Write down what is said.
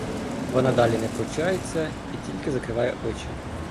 Вона далі не пручається і тільки закриває очі.